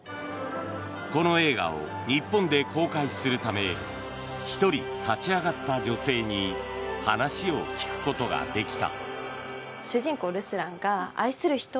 この映画を日本で公開するため１人立ち上がった女性に話を聞くことができた。